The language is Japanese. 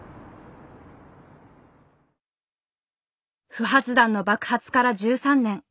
不発弾の爆発から１３年。